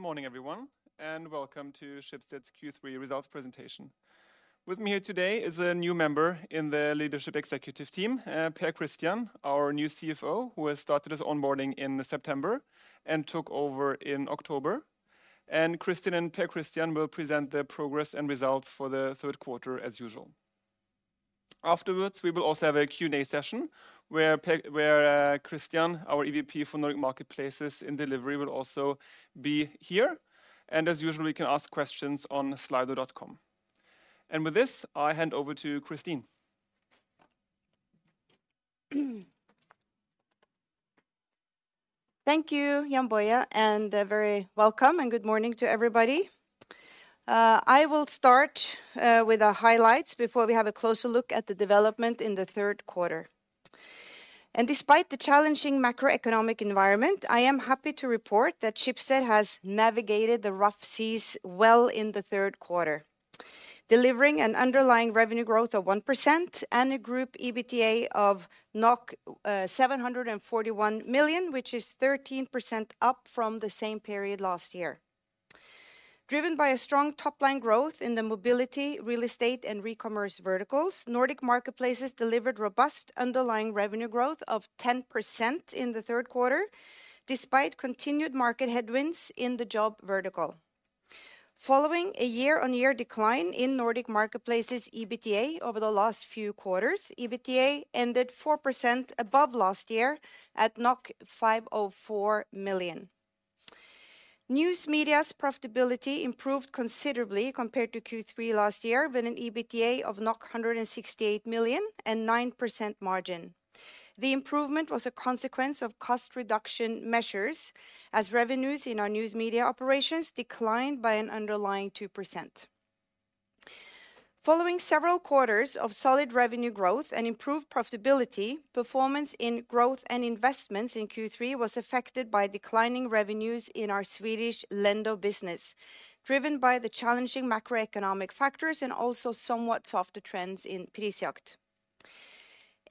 Good morning, everyone, and welcome to Schibsted's Q3 results presentation. With me here today is a new member in the leadership executive team, Per Christian, our new CFO, who has started his onboarding in September and took over in October. Kristin and Per Christian will present the progress and results for the Q3 as usual. Afterwards, we will also have a Q&A session where Christian, our EVP for Nordic Marketplaces and Delivery, will also be here. As usual, you can ask questions on slido.com. With this, I hand over to Kristin. Thank you, Jann-Boje, and, very welcome, and good morning to everybody. I will start with the highlights before we have a closer look at the development in the Q3. Despite the challenging macroeconomic environment, I am happy to report that Schibsted has navigated the rough seas well in the Q3, delivering an underlying revenue growth of 1% and a group EBITDA of 741 million, which is 13% up from the same period last year. Driven by a strong top-line growth in the Mobility, Real Estate, and Recommerce verticals, Nordic Marketplaces delivered robust underlying revenue growth of 10% in the Q3, despite continued market headwinds in the Jobs vertical. Following a year-on-year decline in Nordic Marketplaces' EBITDA over the last few quarters, EBITDA ended 4% above last year at 504 million. News Media's profitability improved considerably compared to Q3 last year, with an EBITDA of 168 million and 9% margin. The improvement was a consequence of cost reduction measures, as revenues in our News Media operations declined by an underlying 2%. Following several quarters of solid revenue growth and improved profitability, performance in growth and investments in Q3 was affected by declining revenues in our Swedish Lendo business, driven by the challenging macroeconomic factors and also somewhat softer trends in Prisjakt.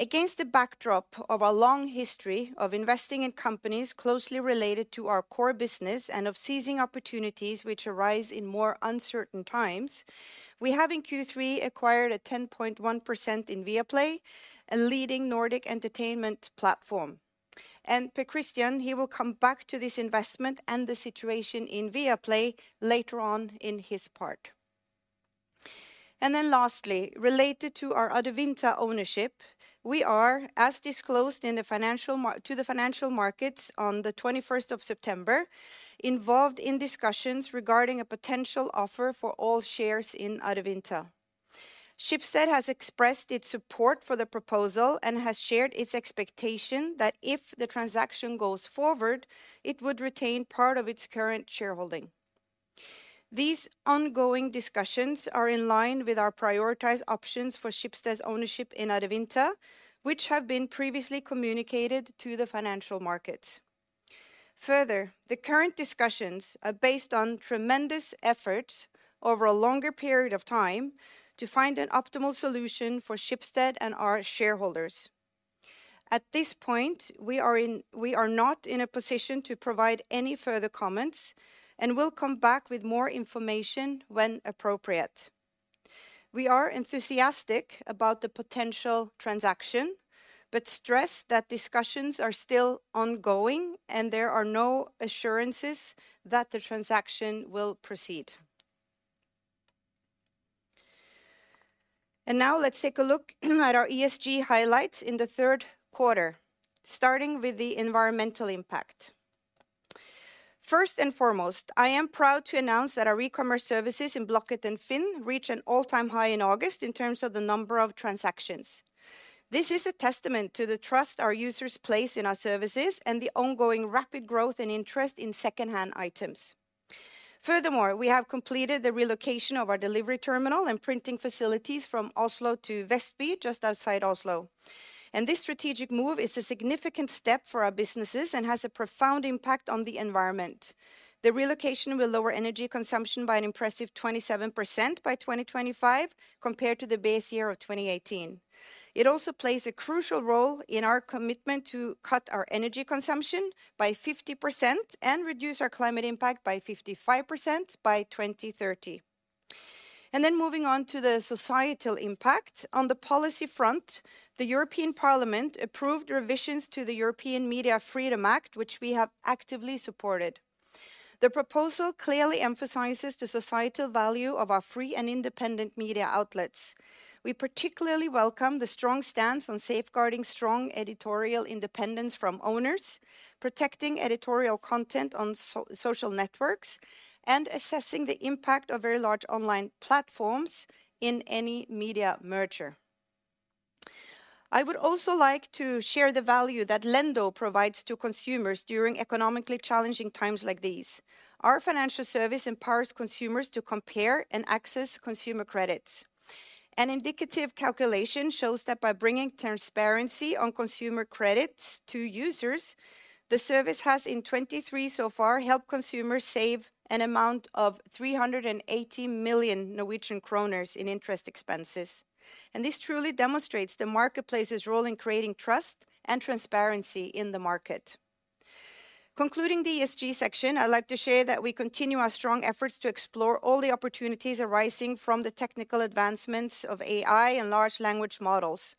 Against the backdrop of a long history of investing in companies closely related to our core business and of seizing opportunities which arise in more uncertain times, we have, in Q3, acquired a 10.1% in Viaplay, a leading Nordic entertainment platform. Per Christian, he will come back to this investment and the situation in Viaplay later on in his part. And then lastly, related to our Adevinta ownership, we are, as disclosed to the financial markets on the twenty-first of September, involved in discussions regarding a potential offer for all shares in Adevinta. Schibsted has expressed its support for the proposal and has shared its expectation that if the transaction goes forward, it would retain part of its current shareholding. These ongoing discussions are in line with our prioritized options for Schibsted's ownership in Adevinta, which have been previously communicated to the financial markets. Further, the current discussions are based on tremendous efforts over a longer period of time to find an optimal solution for Schibsted and our shareholders. At this point, we are not in a position to provide any further comments, and we'll come back with more information when appropriate. We are enthusiastic about the potential transaction, but stress that discussions are still ongoing, and there are no assurances that the transaction will proceed. Now let's take a look at our ESG highlights in the Q3, starting with the environmental impact. First and foremost, I am proud to announce that our recommerce services in Blocket and FINN reached an all-time high in August in terms of the number of transactions. This is a testament to the trust our users place in our services and the ongoing rapid growth and interest in secondhand items. Furthermore, we have completed the relocation of our delivery terminal and printing facilities from Oslo to Vestby, just outside Oslo. This strategic move is a significant step for our businesses and has a profound impact on the environment. The relocation will lower energy consumption by an impressive 27% by 2025, compared to the base year of 2018. It also plays a crucial role in our commitment to cut our energy consumption by 50% and reduce our climate impact by 55% by 2030. Then moving on to the societal impact. On the policy front, the European Parliament approved revisions to the European Media Freedom Act, which we have actively supported. The proposal clearly emphasizes the societal value of our free and independent media outlets. We particularly welcome the strong stance on safeguarding strong editorial independence from owners, protecting editorial content on social networks, and assessing the impact of very large online platforms in any media merger. I would also like to share the value that Lendo provides to consumers during economically challenging times like these. Our financial service empowers consumers to compare and access consumer credits. An indicative calculation shows that by bringing transparency on consumer credits to users, the service has, in 2023 so far, helped consumers save an amount of 380 million Norwegian kroner in interest expenses. And this truly demonstrates the Marketplace's role in creating trust and transparency in the market. Concluding the ESG section, I'd like to share that we continue our strong efforts to explore all the opportunities arising from the technical advancements of AI and large language models.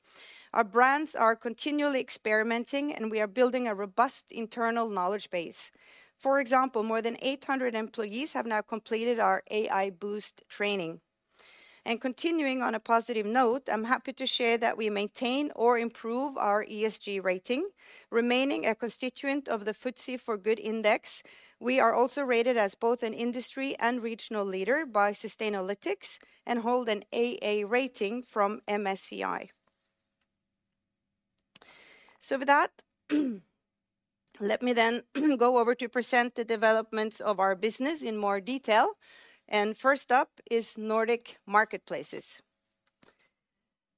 Our brands are continually experimenting, and we are building a robust internal knowledge base. For example, more than 800 employees have now completed our AI Boost training. And continuing on a positive note, I'm happy to share that we maintain or improve our ESG rating, remaining a constituent of the FTSE4Good Index. We are also rated as both an industry and regional leader by Sustainalytics, and hold an AA rating from MSCI. So with that, let me then go over to present the developments of our business in more detail. First up is Nordic Marketplaces.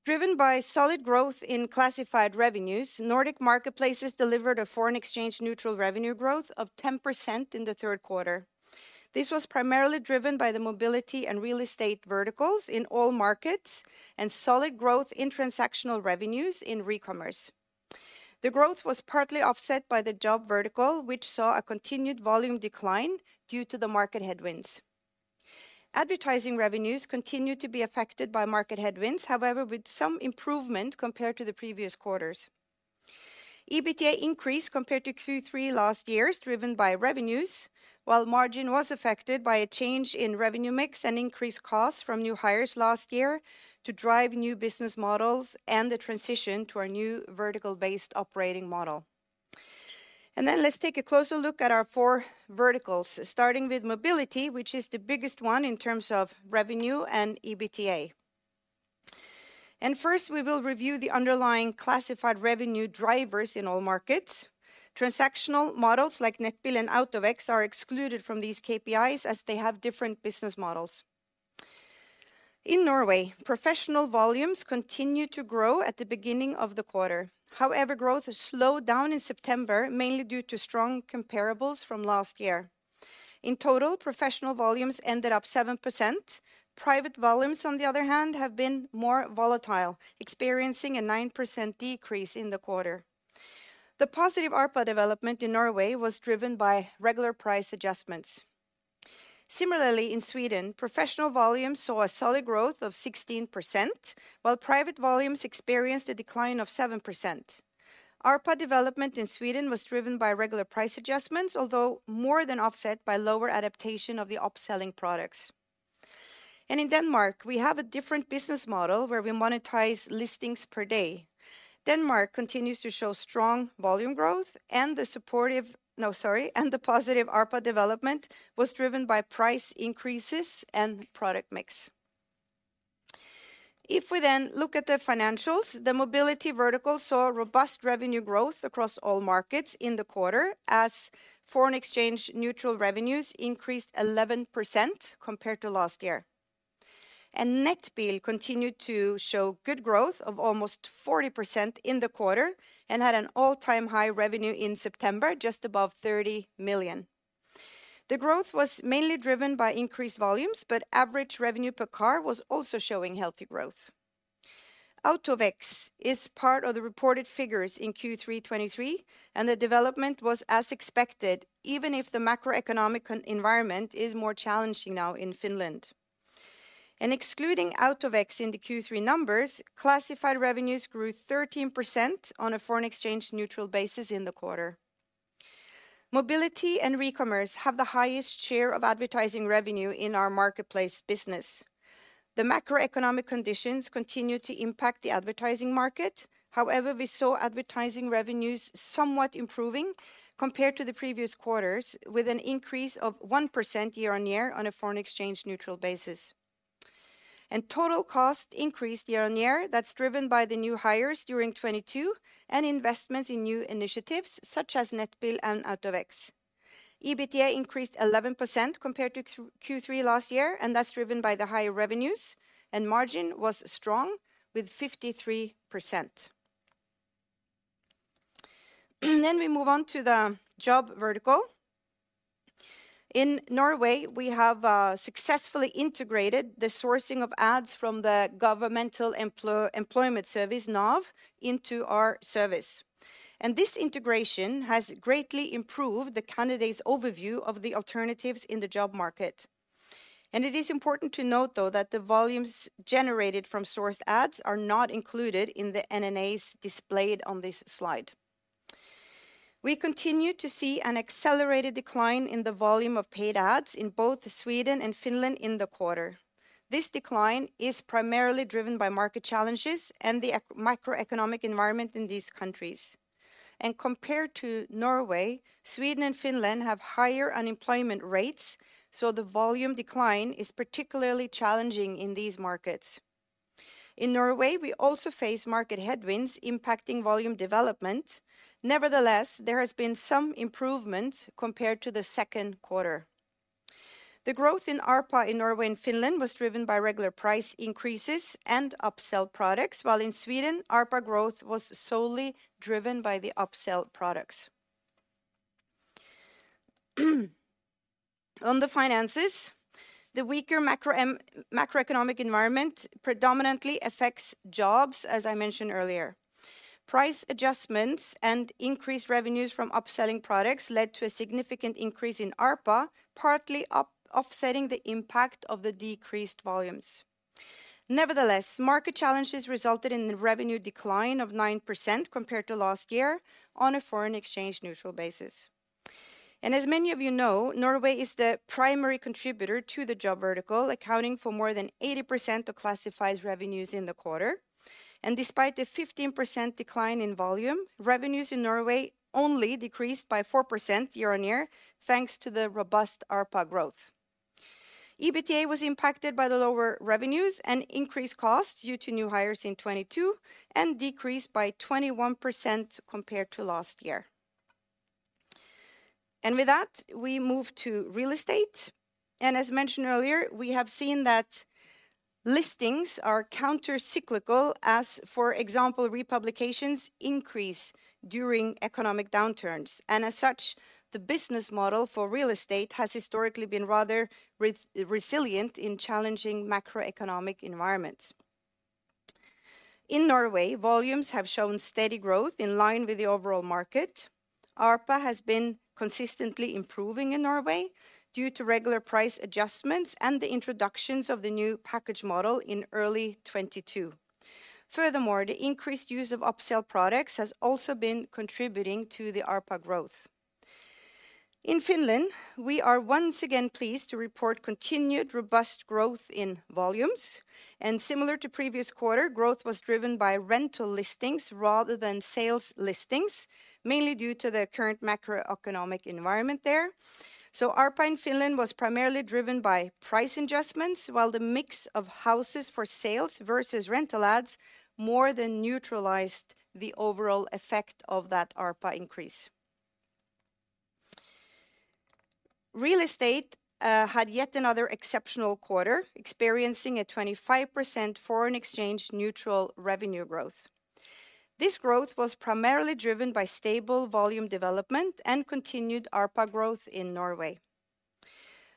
Driven by solid growth in classified revenues, Nordic Marketplaces delivered a foreign exchange neutral revenue growth of 10% in the Q3. This was primarily driven by the Mobility and Real Estate verticals in all markets, and solid growth in transactional revenues in Recommerce. The growth was partly offset by the Jobs vertical, which saw a continued volume decline due to the market headwinds. Advertising revenues continued to be affected by market headwinds, however, with some improvement compared to the previous quarters. EBITDA increased compared to Q3 last year's, driven by revenues, while margin was affected by a change in revenue mix and increased costs from new hires last year to drive new business models and the transition to our new vertical-based operating model. Then let's take a closer look at our four verticals, starting with Mobility, which is the biggest one in terms of revenue and EBITDA. First, we will review the underlying classified revenue drivers in all markets. Transactional models like Nettbil and AutoVex are excluded from these KPIs as they have different business models. In Norway, professional volumes continued to grow at the beginning of the quarter. However, growth has slowed down in September, mainly due to strong comparables from last year. In total, professional volumes ended up 7%. Private volumes, on the other hand, have been more volatile, experiencing a 9% decrease in the quarter. The positive ARPA development in Norway was driven by regular price adjustments. Similarly, in Sweden, professional volumes saw a solid growth of 16%, while private volumes experienced a decline of 7%. ARPA development in Sweden was driven by regular price adjustments, although more than offset by lower adaptation of the upselling products. In Denmark, we have a different business model where we monetize listings per day. Denmark continues to show strong volume growth and the positive ARPA development was driven by price increases and product mix. If we then look at the financials, the mobility vertical saw a robust revenue growth across all markets in the quarter as foreign exchange neutral revenues increased 11% compared to last year. Nettbil continued to show good growth of almost 40% in the quarter and had an all-time high revenue in September, just above 30 million. The growth was mainly driven by increased volumes, but average revenue per car was also showing healthy growth. AutoVex is part of the reported figures in Q3 2023, and the development was as expected, even if the macroeconomic environment is more challenging now in Finland. Excluding AutoVex in the Q3 numbers, classified revenues grew 13% on a foreign exchange neutral basis in the quarter. Mobility and recommerce have the highest share of advertising revenue in our marketplace business. The macroeconomic conditions continue to impact the advertising market. However, we saw advertising revenues somewhat improving compared to the previous quarters, with an increase of 1% year-on-year on a foreign exchange neutral basis. Total cost increased year-on-year. That's driven by the new hires during 2022 and investments in new initiatives such as Nettbil and Autovex. EBITDA increased 11% compared to Q3 last year, and that's driven by the higher revenues, and margin was strong with 53%. Then we move on to the job vertical. In Norway, we have successfully integrated the sourcing of ads from the governmental employment service, NAV, into our service, and this integration has greatly improved the candidate's overview of the alternatives in the job market. And it is important to note, though, that the volumes generated from source ads are not included in the NNAs displayed on this slide. We continue to see an accelerated decline in the volume of paid ads in both Sweden and Finland in the quarter. This decline is primarily driven by the market challenges and the macroeconomic environment in these countries. Compared to Norway, Sweden and Finland have higher unemployment rates, so the volume decline is particularly challenging in these markets. In Norway, we also face market headwinds impacting volume development. Nevertheless, there has been some improvement compared to the Q2. The growth in ARPA in Norway and Finland was driven by regular price increases and upsell products, while in Sweden, ARPA growth was solely driven by the upsell products. On the finances, the weaker macroeconomic environment predominantly affects jobs, as I mentioned earlier. Price adjustments and increased revenues from upselling products led to a significant increase in ARPA, partly offsetting the impact of the decreased volumes. Nevertheless, market challenges resulted in the revenue decline of 9% compared to last year on a foreign exchange neutral basis. As many of you know, Norway is the primary contributor to the job vertical, accounting for more than 80% of Classifieds' revenues in the quarter. Despite the 15% decline in volume, revenues in Norway only decreased by 4% year-on-year, thanks to the robust ARPA growth. EBITDA was impacted by the lower revenues and increased costs due to new hires in 2022, and decreased by 21% compared to last year. With that, we move to real estate. As mentioned earlier, we have seen that listings are countercyclical, as, for example, republications increase during economic downturns. As such, the business model for real estate has historically been rather resilient in challenging macroeconomic environments. In Norway, volumes have shown steady growth in line with the overall market. ARPA has been consistently improving in Norway due to regular price adjustments and the introductions of the new package model in early 2022. Furthermore, the increased use of upsell products has also been contributing to the ARPA growth. In Finland, we are once again pleased to report continued robust growth in volumes, and similar to previous quarter, growth was driven by rental listings rather than sales listings, mainly due to the current macroeconomic environment there. So ARPA in Finland was primarily driven by price adjustments, while the mix of houses for sales versus rental ads more than neutralized the overall effect of that ARPA increase. Real Estate had yet another exceptional quarter, experiencing a 25% foreign exchange neutral revenue growth. This growth was primarily driven by stable volume development and continued ARPA growth in Norway.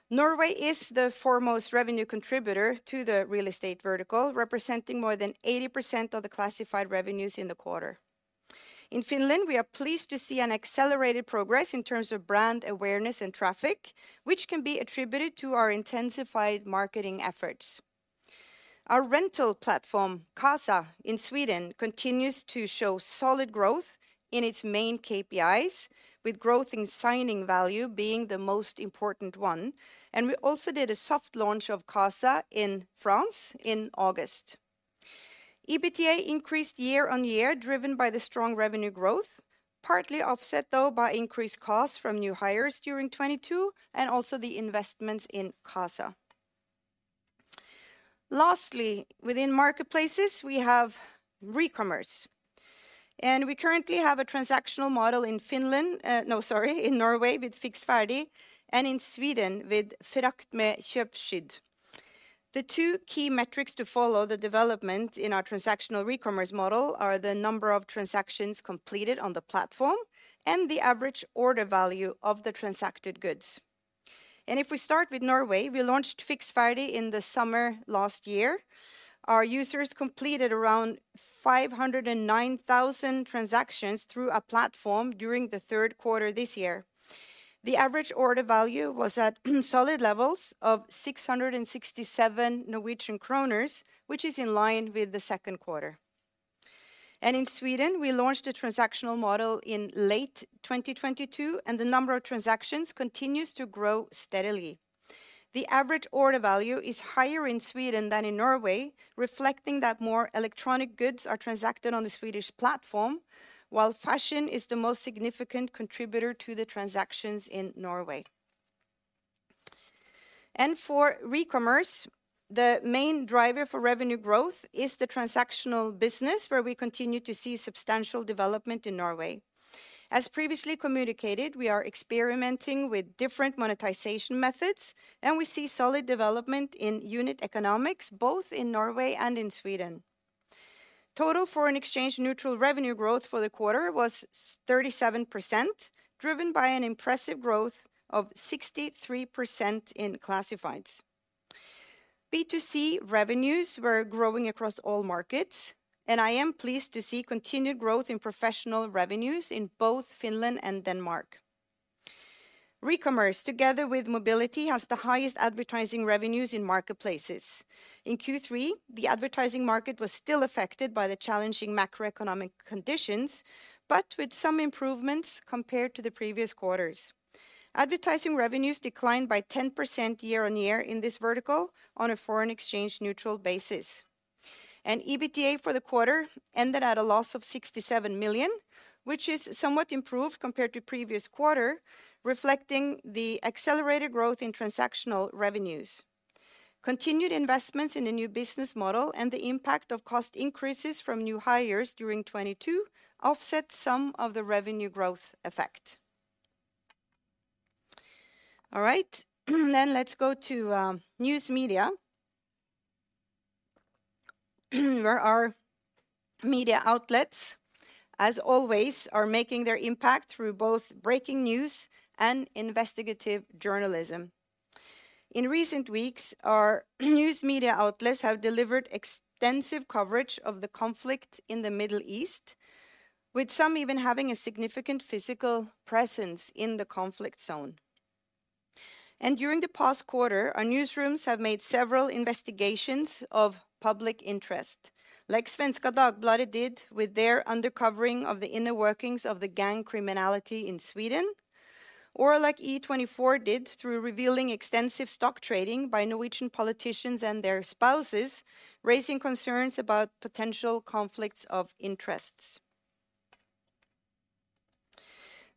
Norway is the foremost revenue contributor to the real estate vertical, representing more than 80% of the classified revenues in the quarter. In Finland, we are pleased to see an accelerated progress in terms of brand awareness and traffic, which can be attributed to our intensified marketing efforts. Our rental platform, Qasa, in Sweden, continues to show solid growth in its main KPIs, with growth in signing value being the most important one, and we also did a soft launch of Qasa in France in August. EBITDA increased year-on-year, driven by the strong revenue growth, partly offset, though, by increased costs from new hires during 2022, and also the investments in Qasa. Lastly, within Marketplaces, we have Recommerce, and we currently have a transactional model in Norway, with Fiks ferdig, and in Sweden, with Frakt med Köpskydd. The two key metrics to follow the development in our transactional Recommerce model are the number of transactions completed on the platform and the average order value of the transacted goods. If we start with Norway, we launched Fiks Ferdig in the summer last year. Our users completed around 509,000 transactions through our platform during the Q3 this year. The average order value was at solid levels of 667 Norwegian kroner, which is in line with the Q2. In Sweden, we launched a transactional model in late 2022, and the number of transactions continues to grow steadily. The average order value is higher in Sweden than in Norway, reflecting that more electronic goods are transacted on the Swedish platform, while fashion is the most significant contributor to the transactions in Norway. For Recommerce, the main driver for revenue growth is the transactional business, where we continue to see substantial development in Norway. As previously communicated, we are experimenting with different monetization methods, and we see solid development in unit economics, both in Norway and in Sweden. Total foreign exchange neutral revenue growth for the quarter was 37%, driven by an impressive growth of 63% in Classifieds. B2C revenues were growing across all markets, and I am pleased to see continued growth in professional revenues in both Finland and Denmark. Recommerce, together with mobility, has the highest advertising revenues in Marketplaces. In Q3, the advertising market was still affected by the challenging macroeconomic conditions, but with some improvements compared to the previous quarters. Advertising revenues declined by 10% year-over-year in this vertical on a foreign exchange neutral basis. EBITDA for the quarter ended at a loss of 67 million, which is somewhat improved compared to previous quarter, reflecting the accelerated growth in transactional revenues. Continued investments in the new business model and the impact of cost increases from new hires during 2022 offset some of the revenue growth effect. All right, then let's go to News Media... where our media outlets, as always, are making their impact through both breaking news and investigative journalism. In recent weeks, our news media outlets have delivered extensive coverage of the conflict in the Middle East, with some even having a significant physical presence in the conflict zone. During the past quarter, our newsrooms have made several investigations of public interest, like Svenska Dagbladet did with their uncovering of the inner workings of the gang criminality in Sweden, or like E24 did through revealing extensive stock trading by Norwegian politicians and their spouses, raising concerns about potential conflicts of interests.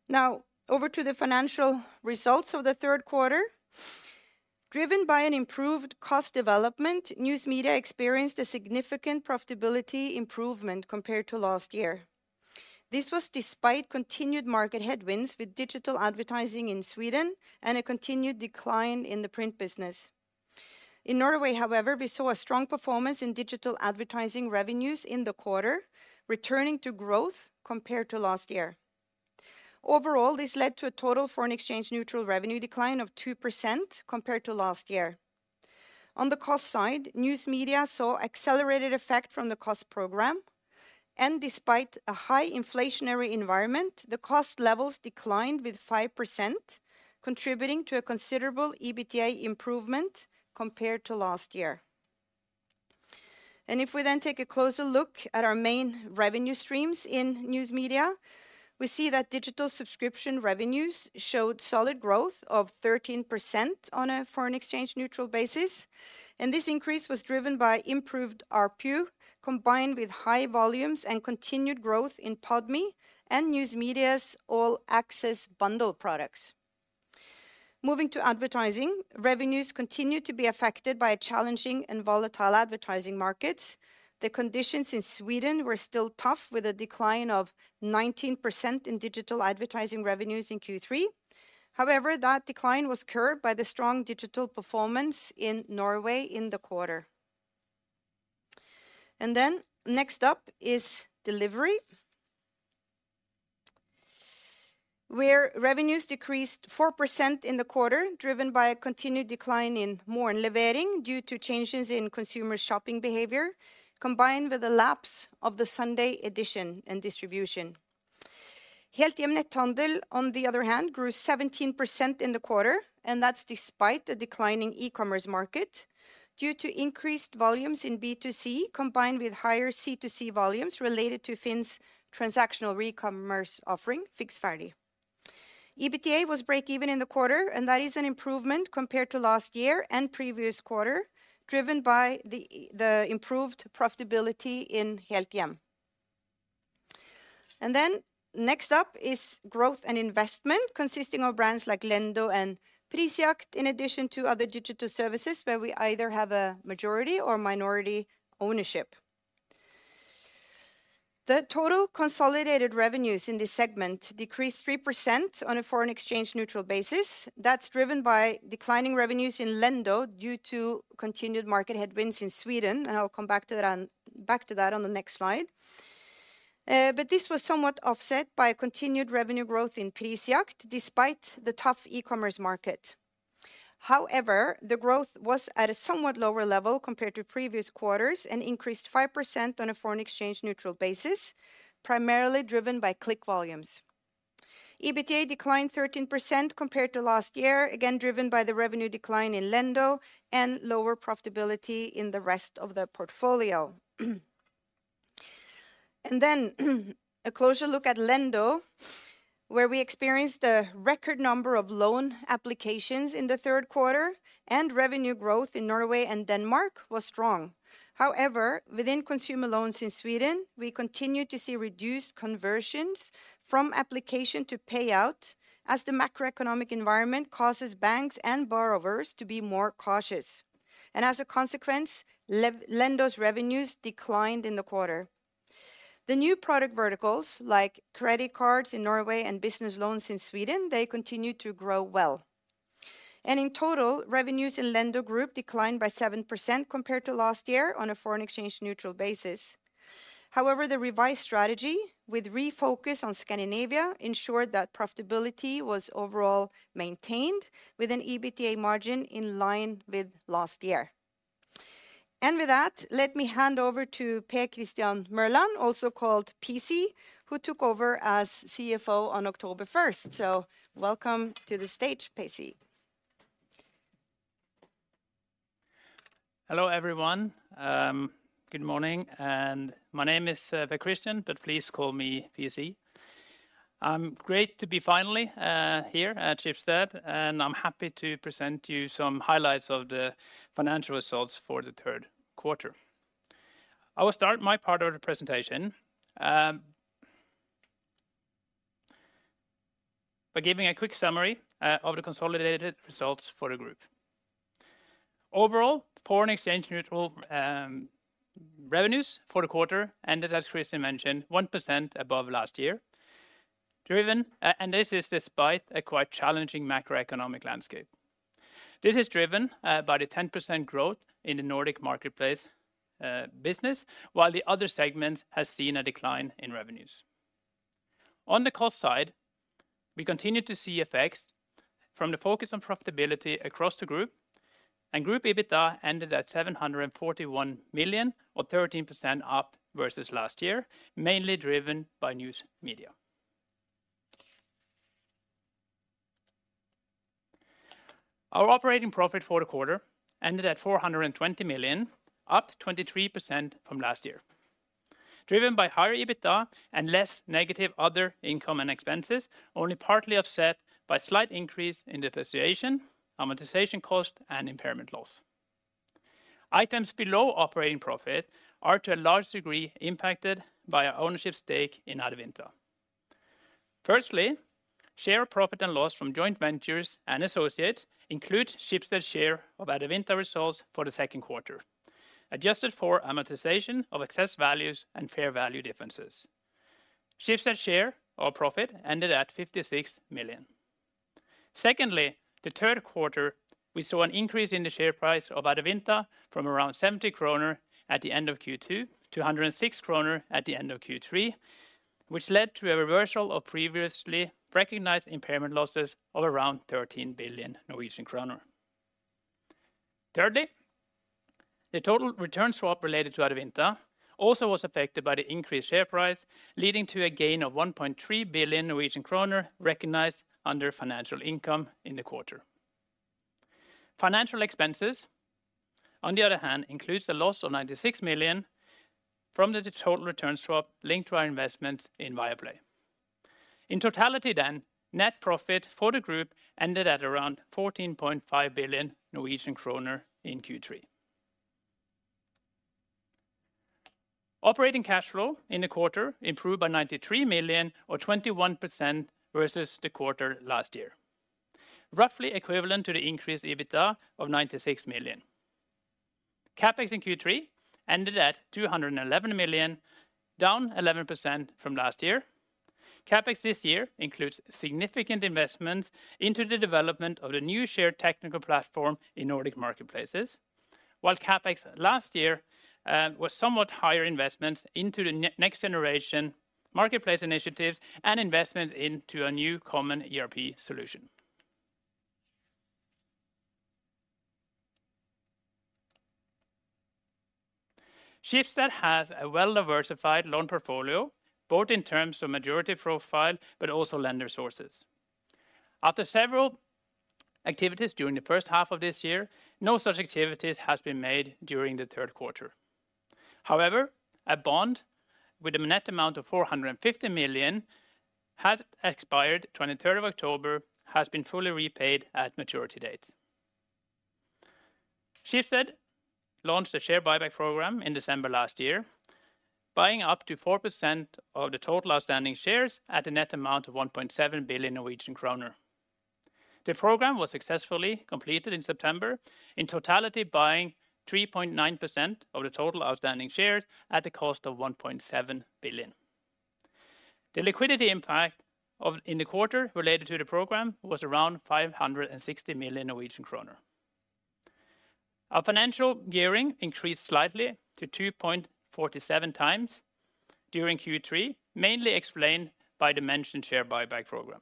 Now, over to the financial results of the Q3. Driven by an improved cost development, News Media experienced a significant profitability improvement compared to last year. This was despite continued market headwinds with digital advertising in Sweden and a continued decline in the print business. In Norway, however, we saw a strong performance in digital advertising revenues in the quarter, returning to growth compared to last year. Overall, this led to a total foreign exchange neutral revenue decline of 2% compared to last year. On the cost side, News Media saw accelerated effect from the cost program, and despite a high inflationary environment, the cost levels declined with 5%, contributing to a considerable EBITDA improvement compared to last year. If we then take a closer look at our main revenue streams in News Media, we see that digital subscription revenues showed solid growth of 13% on a foreign exchange neutral basis, and this increase was driven by improved ARPU, combined with high volumes and continued growth in Podme and News Media's all-access bundle products. Moving to advertising, revenues continued to be affected by a challenging and volatile advertising market. The conditions in Sweden were still tough, with a decline of 19% in digital advertising revenues in Q3. However, that decline was curbed by the strong digital performance in Norway in the quarter. Next up is delivery, where revenues decreased 4% in the quarter, driven by a continued decline in Morgenlevering due to changes in consumer shopping behavior, combined with the lapse of the Sunday edition and distribution. HeltHjem Netthandel, on the other hand, grew 17% in the quarter, and that's despite a declining e-commerce market due to increased volumes in B2C, combined with higher C2C volumes related to FINN's transactional recommerce offering, Fixferdig. EBITDA was break even in the quarter, and that is an improvement compared to last year and previous quarter, driven by the improved profitability in HeltHjem. Next up is growth and investment, consisting of brands like Lendo and Prisjakt, in addition to other digital services where we either have a majority or minority ownership. The total consolidated revenues in this segment decreased 3% on a foreign exchange neutral basis. That's driven by declining revenues in Lendo due to continued market headwinds in Sweden, and I'll come back to that on the next slide. But this was somewhat offset by a continued revenue growth in Prisjakt, despite the tough e-commerce market. However, the growth was at a somewhat lower level compared to previous quarters and increased 5% on a foreign exchange neutral basis, primarily driven by click volumes. EBITDA declined 13% compared to last year, again, driven by the revenue decline in Lendo and lower profitability in the rest of the portfolio. Then, a closer look at Lendo, where we experienced a record number of loan applications in the Q3, and revenue growth in Norway and Denmark was strong. However, within consumer loans in Sweden, we continued to see reduced conversions from application to payout, as the macroeconomic environment causes banks and borrowers to be more cautious. As a consequence, Lendo's revenues declined in the quarter. The new product verticals, like credit cards in Norway and business loans in Sweden, they continued to grow well. In total, revenues in Lendo Group declined by 7% compared to last year on a foreign exchange neutral basis. However, the revised strategy, with refocus on Scandinavia, ensured that profitability was overall maintained, with an EBITDA margin in line with last year. And with that, let me hand over to Per Christian Mørland, also called PC, who took over as CFO on October 1st. Welcome to the stage, PC. Hello, everyone. Good morning, and my name is Per Christian, but please call me PC. Great to be finally here at Schibsted, and I'm happy to present you some highlights of the financial results for the Q3. I will start my part of the presentation by giving a quick summary of the consolidated results for the group. Overall, foreign exchange neutral revenues for the quarter ended, as Kristin mentioned, 1% above last year, driven, and this is despite a quite challenging macroeconomic landscape. This is driven by the 10% growth in the Nordic Marketplace business, while the other segment has seen a decline in revenues. On the cost side, we continue to see effects from the focus on profitability across the group, and group EBITDA ended at 741 million or 13% up versus last year, mainly driven by News Media. Our operating profit for the quarter ended at 420 million, up 23% from last year, driven by higher EBITDA and less negative other income and expenses, only partly offset by slight increase in depreciation, amortization cost, and impairment loss. Items below operating profit are, to a large degree, impacted by our ownership stake in Adevinta. Firstly, share profit and loss from joint ventures and associates include Schibsted share of Adevinta results for the Q2, adjusted for amortization of excess values and fair value differences. Schibsted share or profit ended at 56 million. Secondly, the Q3, we saw an increase in the share price of Adevinta from around 70 kroner at the end of Q2 to 106 kroner at the end of Q3, which led to a reversal of previously recognized impairment losses of around 13 billion Norwegian kroner. Thirdly, the total return swap related to Adevinta also was affected by the increased share price, leading to a gain of 1.3 billion Norwegian kroner recognized under financial income in the quarter. Financial expenses, on the other hand, includes a loss of 96 million from the total return swap linked to our investments in Viaplay. In totality then, net profit for the group ended at around 14.5 billion Norwegian kroner in Q3. Operating cash flow in the quarter improved by 93 million or 21% versus the quarter last year, roughly equivalent to the increased EBITDA of 96 million. CapEx in Q3 ended at 211 million, down 11% from last year. CapEx this year includes significant investments into the development of the new shared technical platform in Nordic Marketplaces, while CapEx last year was somewhat higher investments into the next generation marketplace initiatives and investment into a new common ERP solution. Schibsted has a well-diversified loan portfolio, both in terms of maturity profile but also lender sources. After several activities during the first half of this year, no such activities has been made during the Q3. However, a bond with a net amount of 450 million has expired, twenty-third of October, has been fully repaid at maturity date. Schibsted launched a share buyback program in December last year, buying up to 4% of the total outstanding shares at a net amount of 1.7 billion Norwegian kroner. The program was successfully completed in September, in totality, buying 3.9% of the total outstanding shares at the cost of 1.7 billion. The liquidity impact in the quarter related to the program was around 560 million Norwegian kroner. Our financial gearing increased slightly to 2.47 times during Q3, mainly explained by the mentioned share buyback program.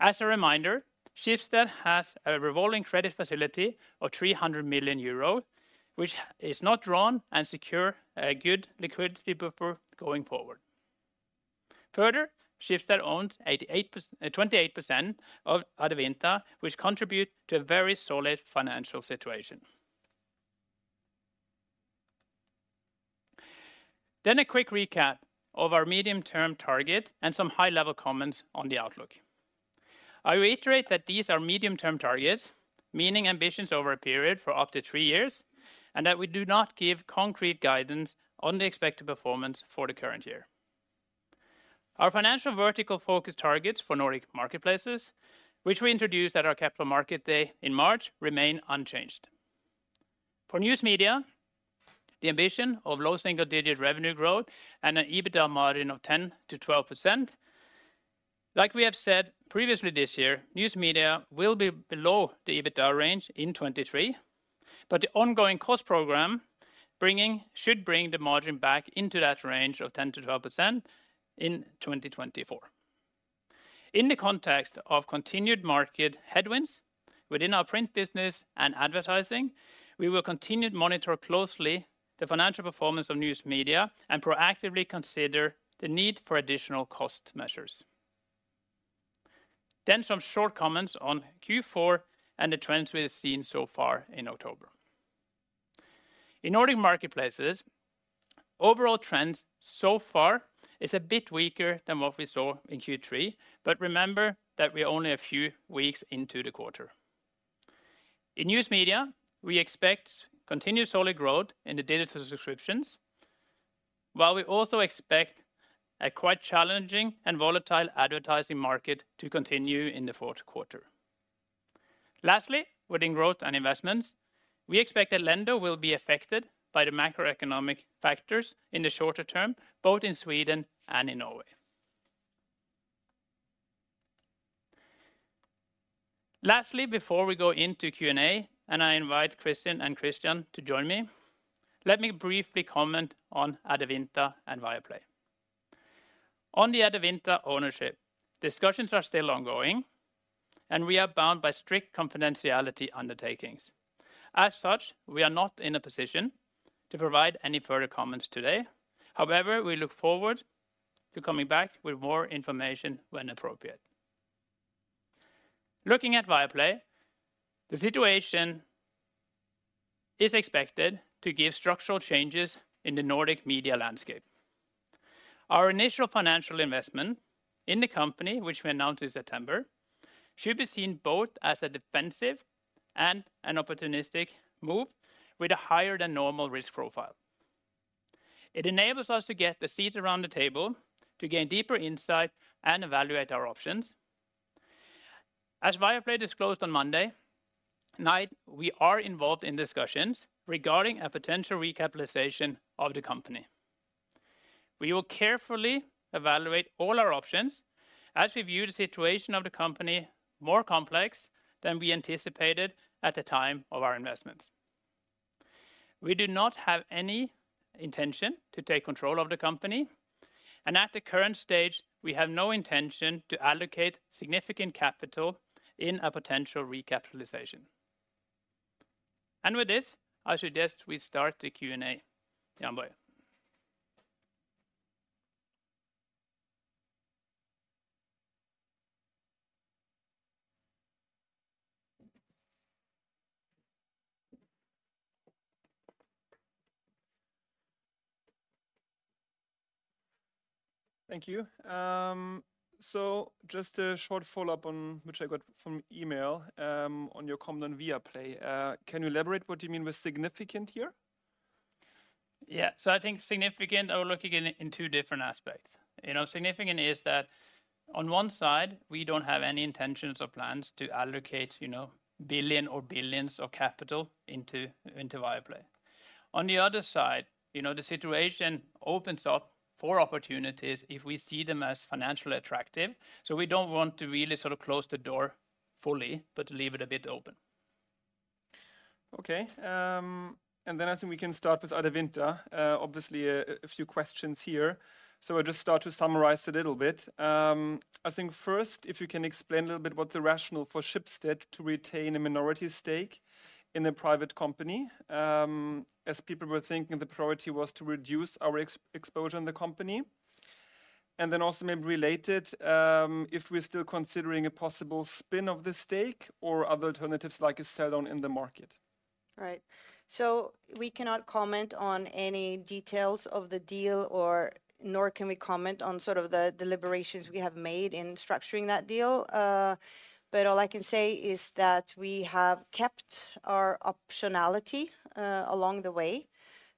As a reminder, Schibsted has a revolving credit facility of 300 million euro, which is not drawn and secure a good liquidity buffer going forward. Further, Schibsted owns 28% of Adevinta, which contribute to a very solid financial situation. Then a quick recap of our medium-term target and some high-level comments on the outlook. I reiterate that these are medium-term targets, meaning ambitions over a period for up to three years, and that we do not give concrete guidance on the expected performance for the current year. Our financial vertical focus targets for Nordic Marketplaces, which we introduced at our Capital Markets Day in March, remain unchanged. For News Media, the ambition of low single-digit revenue growth and an EBITDA margin of 10%-12%. Like we have said previously this year, News Media will be below the EBITDA range in 2023, but the ongoing cost program should bring the margin back into that range of 10%-12% in 2024. In the context of continued market headwinds within our print business and advertising, we will continue to monitor closely the financial performance of News Media and proactively consider the need for additional cost measures. Then some short comments on Q4 and the trends we have seen so far in October. In Nordic Marketplaces, overall trends so far is a bit weaker than what we saw in Q3, but remember that we're only a few weeks into the quarter. In News Media, we expect continued solid growth in the digital subscriptions, while we also expect a quite challenging and volatile advertising market to continue in the Q4.... Lastly, within growth and investments, we expect that Lendo will be affected by the macroeconomic factors in the shorter term, both in Sweden and in Norway. Lastly, before we go into Q&A, and I invite Kristin and Christian to join me, let me briefly comment on Adevinta and Viaplay. On the Adevinta ownership, discussions are still ongoing, and we are bound by strict confidentiality undertakings. As such, we are not in a position to provide any further comments today. However, we look forward to coming back with more information when appropriate. Looking at Viaplay, the situation is expected to give structural changes in the Nordic media landscape. Our initial financial investment in the company, which we announced in September, should be seen both as a defensive and an opportunistic move with a higher-than-normal risk profile. It enables us to get a seat around the table to gain deeper insight and evaluate our options. As Viaplay disclosed on Monday night, we are involved in discussions regarding a potential recapitalization of the company. We will carefully evaluate all our options as we view the situation of the company more complex than we anticipated at the time of our investment. We do not have any intention to take control of the company, and at the current stage, we have no intention to allocate significant capital in a potential recapitalization. With this, I suggest we start the Q&A. Jann-Boje Meinecke. Thank you. So just a short follow-up on which I got from email, on your comment on Viaplay. Can you elaborate what you mean with significant here? Yeah. So I think significant, I will look again in two different aspects. You know, significant is that on one side, we don't have any intentions or plans to allocate, you know, billion or billions of capital into Viaplay. On the other side, you know, the situation opens up for opportunities if we see them as financially attractive. So we don't want to really sort of close the door fully, but leave it a bit open. Okay. And then I think we can start with Adevinta. Obviously, a few questions here. So I'll just start to summarize a little bit. I think first, if you can explain a little bit what the rationale for Schibsted to retain a minority stake in a private company, as people were thinking the priority was to reduce our exposure in the company. And then also maybe related, if we're still considering a possible spin of the stake or other alternatives, like a sell-on in the market. Right. So we cannot comment on any details of the deal or nor can we comment on sort of the deliberations we have made in structuring that deal. But all I can say is that we have kept our optionality along the way,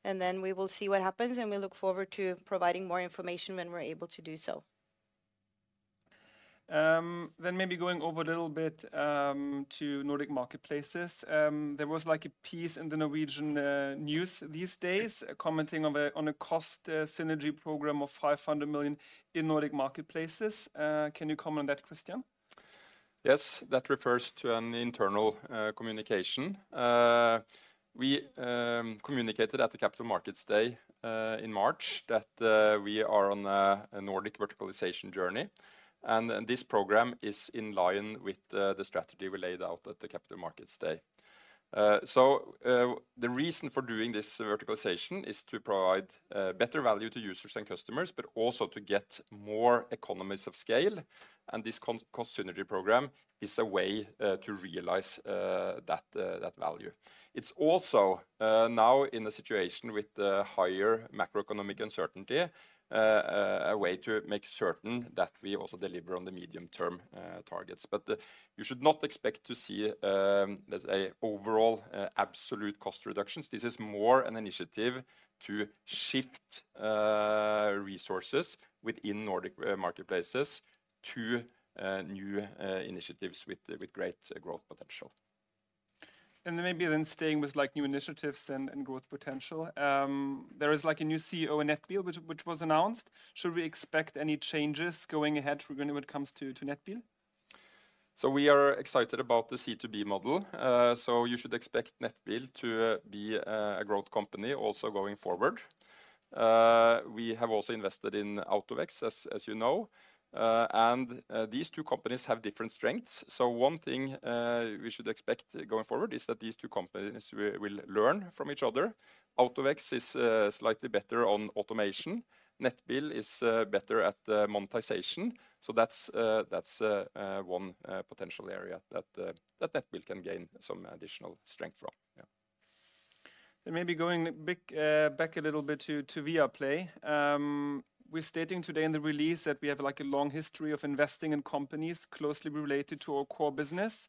and then we will see what happens, and we look forward to providing more information when we're able to do so. Then maybe going over a little bit to Nordic Marketplaces. There was a piece in the Norwegian news these days commenting on a cost synergy program of 500 million in Nordic Marketplaces. Can you comment on that, Christian? Yes. That refers to an internal communication. We communicated at the Capital Markets Day in March that we are on a Nordic verticalization journey, and this program is in line with the strategy we laid out at the Capital Markets Day. So, the reason for doing this verticalization is to provide better value to users and customers, but also to get more economies of scale, and this cost synergy program is a way to realize that value. It's also now in a situation with higher macroeconomic uncertainty a way to make certain that we also deliver on the medium-term targets. But you should not expect to see. There's an overall absolute cost reductions. This is more an initiative to shift resources within Nordic Marketplaces to new initiatives with great growth potential. And then maybe staying with, like, new initiatives and growth potential. There is, like, a new CEO in Nettbil, which was announced. Should we expect any changes going ahead regarding when it comes to Nettbil? So we are excited about the C2B model. So you should expect Nettbil to be a growth company also going forward. We have also invested in Out2X, as you know, and these two companies have different strengths. So one thing we should expect going forward is that these two companies will learn from each other. Out2X is slightly better on automation. Nettbil is better at monetization. So that's one potential area that Nettbil can gain some additional strength from. Yeah. Maybe going back back a little bit to Viaplay. We're stating today in the release that we have, like, a long history of investing in companies closely related to our core business.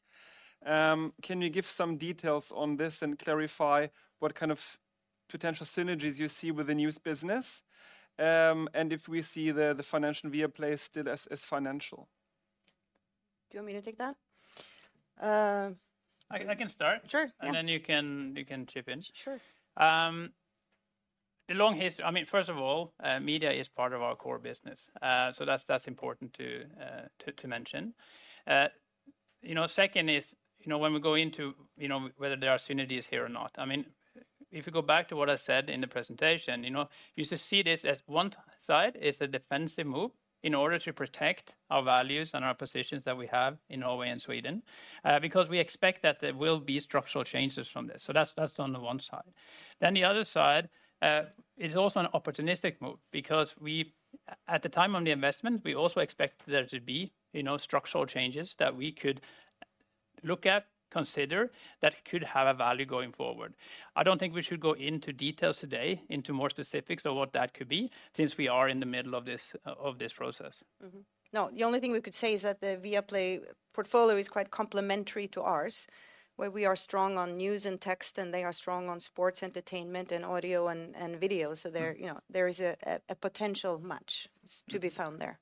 Can you give some details on this and clarify what kind of potential synergies you see with the news business, and if we see the financial Viaplay still as financial? Do you want me to take that? I can start. Sure, yeah. And then you can, you can chip in. Sure. The long history—I mean, first of all, media is part of our core business. So that's important to mention. You know, second is, you know, when we go into, you know, whether there are synergies here or not. I mean, if you go back to what I said in the presentation, you know, you should see this as one side is a defensive move in order to protect our values and our positions that we have in Norway and Sweden, because we expect that there will be structural changes from this. So that's on the one side. Then the other side is also an opportunistic move because we, at the time of the investment, we also expect there to be, you know, structural changes that we could look at, consider, that could have a value going forward. I don't think we should go into details today, into more specifics of what that could be, since we are in the middle of this, of this process. Mm-hmm. No, the only thing we could say is that the Viaplay portfolio is quite complementary to ours, where we are strong on news and text, and they are strong on sports, entertainment, and audio, and video. So there, you know, there is a potential match to be found there.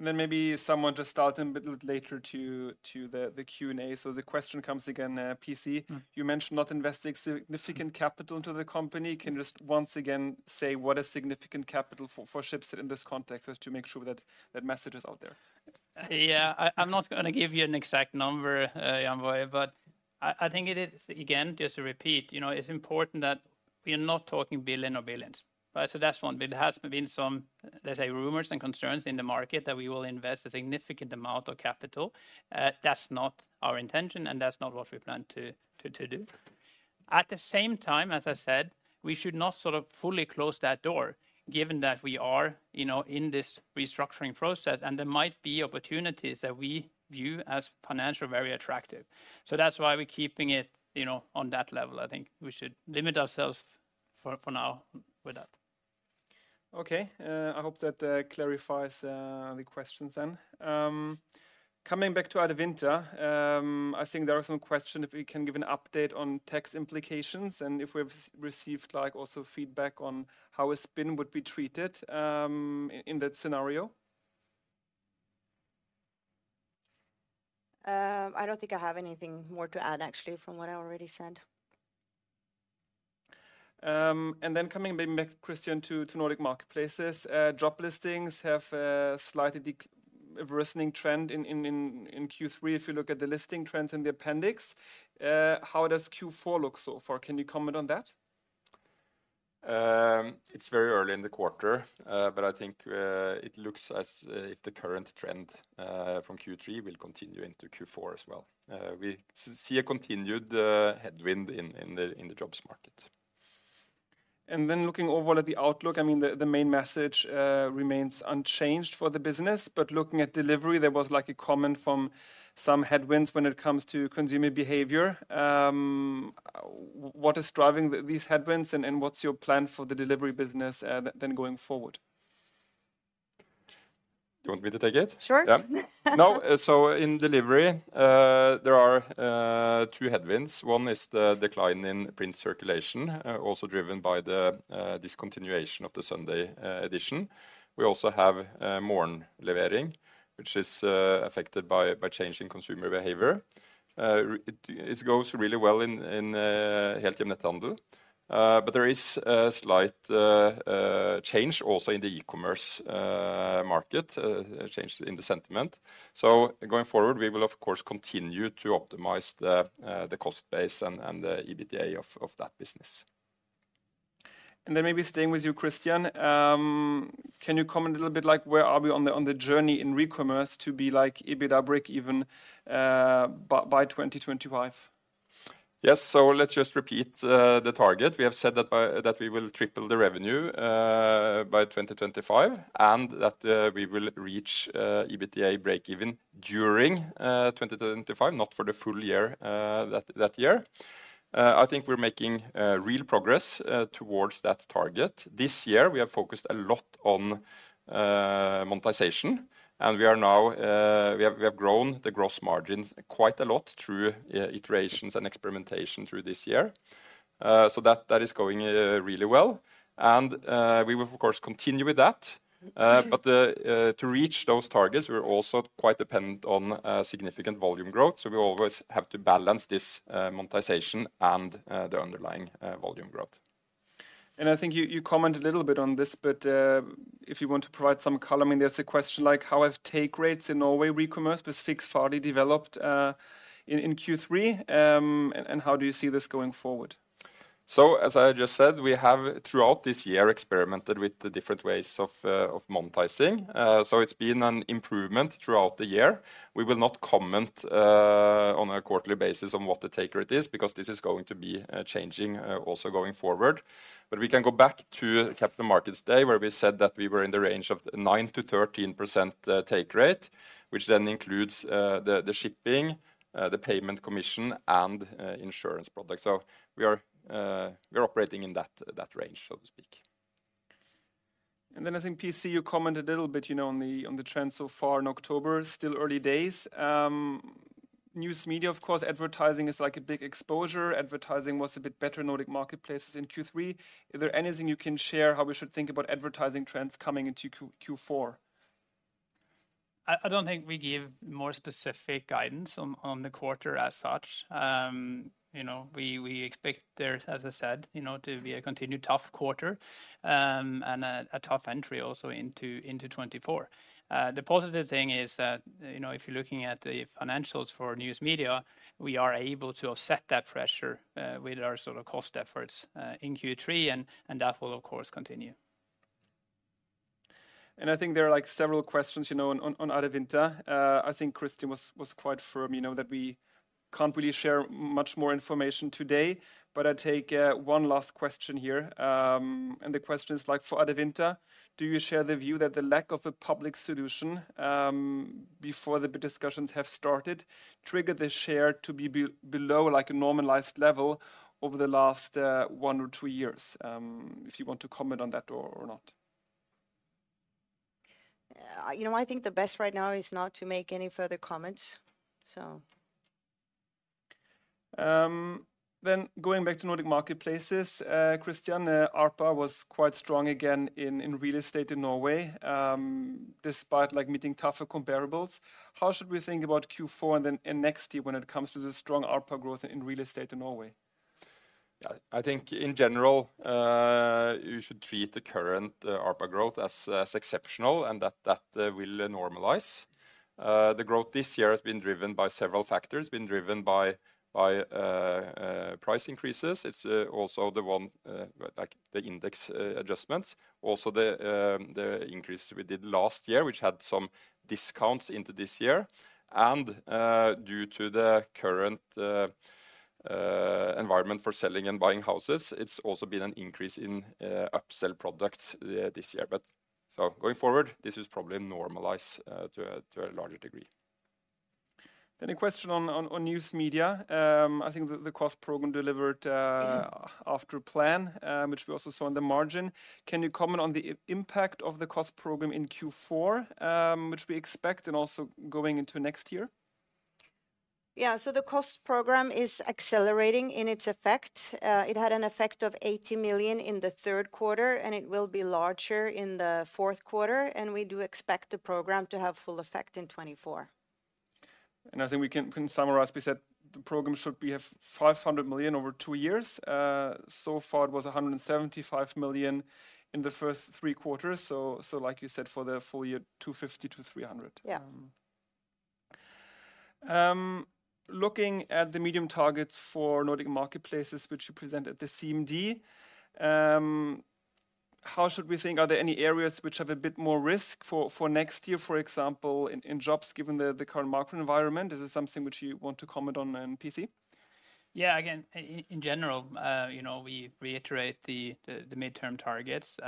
Then maybe someone just started a little bit later to the Q&A. The question comes again, PC. Mm. You mentioned not investing significant capital into the company. Can you just once again say what is significant capital for Schibsted in this context, just to make sure that that message is out there? Yeah. I'm not gonna give you an exact number, Jann-Boje, but I think it is... Again, just to repeat, you know, it's important that we are not talking billion or billions. Right? So that's one. There has been some, let's say, rumors and concerns in the market that we will invest a significant amount of capital. That's not our intention, and that's not what we plan to do. At the same time, as I said, we should not sort of fully close that door, given that we are, you know, in this restructuring process, and there might be opportunities that we view as financially very attractive. So that's why we're keeping it, you know, on that level. I think we should limit ourselves for now with that. Okay. I hope that clarifies the questions then. Coming back to Adevinta, I think there are some questions if we can give an update on tax implications and if we've received, like, also feedback on how a spin would be treated, in that scenario. I don't think I have anything more to add, actually, from what I already said. And then coming back, Christian, to Nordic Marketplaces. Job listings have a slightly worsening trend in Q3. If you look at the listing trends in the appendix, how does Q4 look so far? Can you comment on that? It's very early in the quarter, but I think it looks as if the current trend from Q3 will continue into Q4 as well. We see a continued headwind in the jobs market. And then looking overall at the outlook, I mean, the main message remains unchanged for the business, but looking at delivery, there was, like, a comment from some headwinds when it comes to consumer behavior. What is driving these headwinds, and what's your plan for the delivery business then going forward? You want me to take it? Sure. Yeah. No, so in delivery, there are two headwinds. One is the decline in print circulation, also driven by the discontinuation of the Sunday edition. We also have Morgenlevering, which is affected by changing consumer behavior. It goes really well in HeltHjem Netthandel. But there is a slight change also in the e-commerce market, a change in the sentiment. So going forward, we will, of course, continue to optimize the cost base and the EBITDA of that business. Then maybe staying with you, Christian. Can you comment a little bit, like, where are we on the, on the journey in recommerce to be, like, EBITDA breakeven by 2025? Yes. So let's just repeat the target. We have said that by that we will triple the revenue by 2025, and that we will reach EBITDA breakeven during 2025, not for the full year that year. I think we're making real progress towards that target. This year, we have focused a lot on monetization, and we are now... We have, we have grown the gross margins quite a lot through iterations and experimentation through this year. So that is going really well, and we will, of course, continue with that. Mm-hmm. But to reach those targets, we're also quite dependent on significant volume growth. So we always have to balance this monetization and the underlying volume growth. I think you commented a little bit on this, but if you want to provide some color, I mean, there's a question like: How have take rates in Norway Recommerce with Fixferdig developed in Q3, and how do you see this going forward? So, as I just said, we have, throughout this year, experimented with the different ways of of monetizing. So it's been an improvement throughout the year. We will not comment on a quarterly basis on what the take rate is, because this is going to be changing also going forward. But we can go back to Capital Markets Day, where we said that we were in the range of 9%-13% take rate, which then includes the, the shipping the payment commission, and insurance products. So we are, we're operating in that, that range, so to speak.... And then I think, PC, you commented a little bit, you know, on the trend so far in October. Still early days. News media, of course, advertising is like a big exposure. Advertising was a bit better in Nordic Marketplaces in Q3. Is there anything you can share how we should think about advertising trends coming into Q4? I don't think we give more specific guidance on the quarter as such. You know, we expect there, as I said, you know, to be a continued tough quarter, and a tough entry also into 2024. The positive thing is that, you know, if you're looking at the financials for news media, we are able to offset that pressure with our sort of cost efforts in Q3, and that will, of course, continue. I think there are, like, several questions, you know, on, on Adevinta. I think Christian was quite firm, you know, that we can't really share much more information today, but I take one last question here. And the question is, like: "For Adevinta, do you share the view that the lack of a public solution, before the discussions have started, triggered the share to be below, like, a normalized level over the last, one or two years?" If you want to comment on that or not. you know, I think the best right now is not to make any further comments, so... Then going back to Nordic Marketplaces, Christian, ARPA was quite strong again in real estate in Norway, despite like meeting tougher comparables. How should we think about Q4 and then and next year when it comes to the strong ARPA growth in real estate in Norway? Yeah. I think in general, you should treat the current ARPA growth as exceptional, and that will normalize. The growth this year has been driven by several factors, driven by price increases. It's also the one like the index adjustments. Also, the increase we did last year, which had some discounts into this year. And due to the current environment for selling and buying houses, it's also been an increase in upsell products this year. But. So going forward, this is probably normalize to a larger degree. Then a question on news media. I think the cost program delivered after plan, which we also saw in the margin. Can you comment on the impact of the cost program in Q4, which we expect, and also going into next year? Yeah. So the cost program is accelerating in its effect. It had an effect of 80 million in the Q3, and it will be larger in the Q4, and we do expect the program to have full effect in 2024. I think we can summarize. We said the program should be 500 million over two years. So far, it was 175 million in the first 3 quarters. So like you said, for the full year, 250 million-300 million. Yeah. Looking at the medium targets for Nordic Marketplaces, which you present at the CMD, how should we think? Are there any areas which have a bit more risk for next year, for example, in Jobs, given the current market environment? Is this something which you want to comment on, PC? Yeah, again, in general, you know, we reiterate the midterm targets.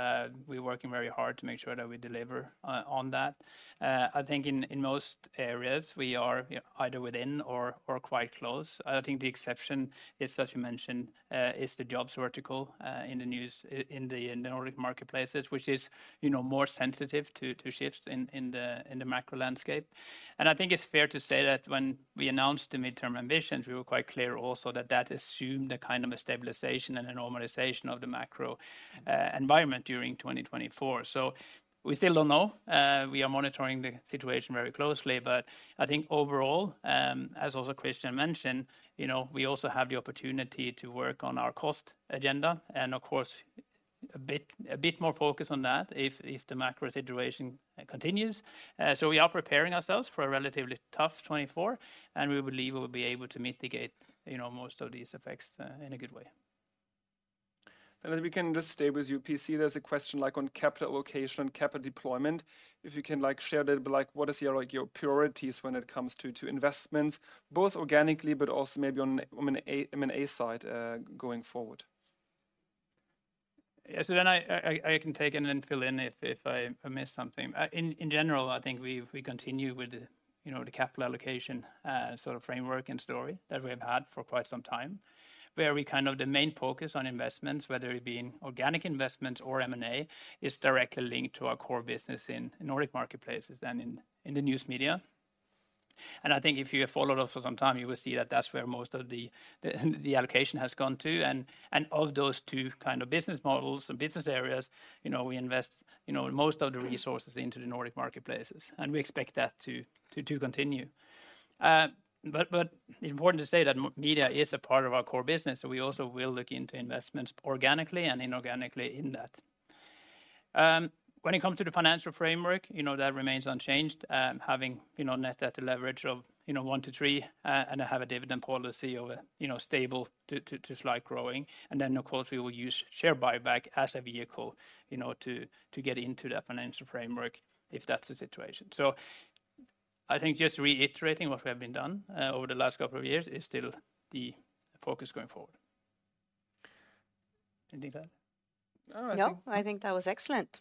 We're working very hard to make sure that we deliver on that. I think in most areas, we are, you know, either within or quite close. I think the exception is, as you mentioned, the Jobs vertical in the Nordics in the Nordic Marketplaces, which is, you know, more sensitive to shifts in the macro landscape. And I think it's fair to say that when we announced the midterm ambitions, we were quite clear also that that assumed a kind of a stabilization and a normalization of the macro environment during 2024. So we still don't know. We are monitoring the situation very closely, but I think overall, as also Christian mentioned, you know, we also have the opportunity to work on our cost agenda, and of course, a bit, a bit more focus on that if, if the macro situation continues. So we are preparing ourselves for a relatively tough 2024, and we believe we will be able to mitigate, you know, most of these effects, in a good way. Then we can just stay with you, P.C. There's a question, like, on capital allocation, capital deployment. If you can, like, share a little bit, like, what is your, like, your priorities when it comes to, to investments, both organically, but also maybe on M&A side, going forward? Yeah, so then I can take it, and then fill in if I miss something. In general, I think we continue with, you know, the capital allocation, sort of framework and story that we have had for quite some time, where we kind of the main focus on investments, whether it be in organic investments or M&A, is directly linked to our core business in Nordic Marketplaces than in the news media. And I think if you have followed us for some time, you will see that that's where most of the allocation has gone to. And of those two kind of business models and business areas, you know, we invest, you know, most of the resources into the Nordic Marketplaces, and we expect that to continue. But important to say that media is a part of our core business, so we also will look into investments organically and inorganically in that. When it comes to the financial framework, you know, that remains unchanged, having, you know, net debt to leverage of 1-3, and have a dividend policy of a, you know, stable to slight growing. And then, of course, we will use share buyback as a vehicle, you know, to get into the financial framework if that's the situation. So I think just reiterating what we have been done over the last couple of years is still the focus going forward. Anything to add? No, I think- No, I think that was excellent.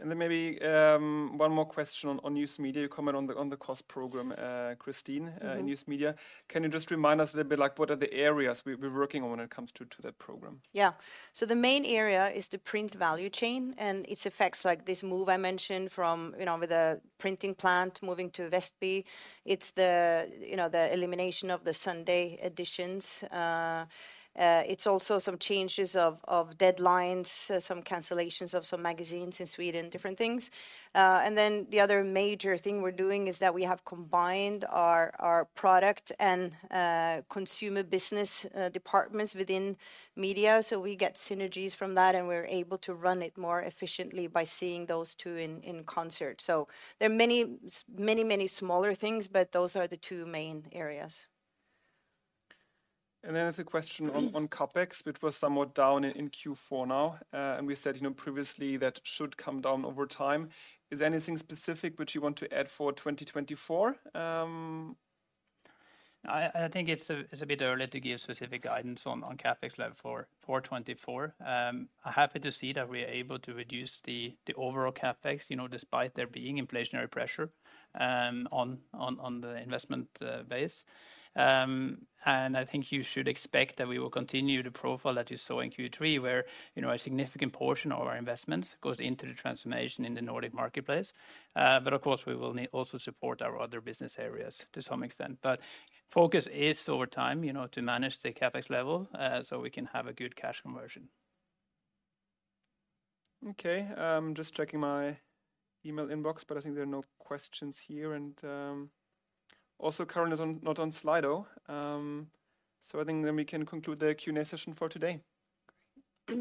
And then maybe one more question on news media. You commented on the cost program, Kristin. Mm-hmm... news media. Can you just remind us a little bit, like, what are the areas we're working on when it comes to that program? Yeah. So the main area is the print value chain and its effects, like this move I mentioned from, you know, with the printing plant moving to Vestby. It's the, you know, the elimination of the Sunday editions. It's also some changes of deadlines, some cancellations of some magazines in Sweden, different things. And then the other major thing we're doing is that we have combined our product and consumer business departments within media, so we get synergies from that, and we're able to run it more efficiently by seeing those two in concert. So there are many, many smaller things, but those are the two main areas. Then there's a question on CapEx, which was somewhat down in Q4 now. We said, you know, previously that should come down over time. Is there anything specific which you want to add for 2024? I think it's a bit early to give specific guidance on CapEx level for 2024. Happy to see that we're able to reduce the overall CapEx, you know, despite there being inflationary pressure on the investment base. And I think you should expect that we will continue the profile that you saw in Q3, where, you know, a significant portion of our investments goes into the transformation in the Nordic Marketplaces. But of course, we will need also support our other business areas to some extent. But focus is over time, you know, to manage the CapEx level, so we can have a good cash conversion. Okay, just checking my email inbox, but I think there are no questions here, and also currently not on Slido.com. So I think then we can conclude the Q&A session for today. Great.